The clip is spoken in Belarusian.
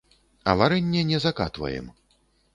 А варэнне не закатваем.